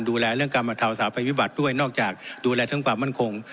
ดูแลเรื่องการบรรเทาสาภัยพิบัติด้วยนอกจากดูแลทั้งความมั่นคง